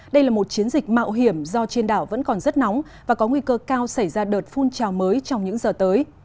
đây là một chiến dịch mạo hiểm do trên đảo vẫn còn rất nóng và có nguy cơ cao xảy ra đợt phun trào mới trong những giờ tới